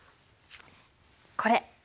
これ。